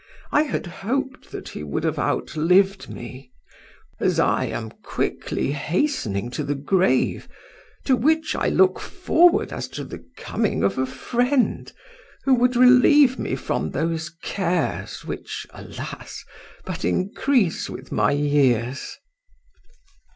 "I had hoped that he would have outlived me, as I am quickly hastening to the grave, to which I look forward as to the coming of a friend, who would relieve me from those cares which, alas! but increase with my years."